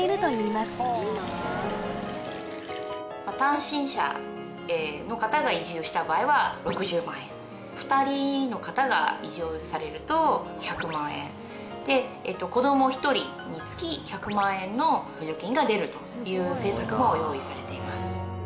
単身者の方が移住した場合は６０万円２人の方が移住されると１００万円子ども１人につき１００万円の補助金が出るという政策も用意されています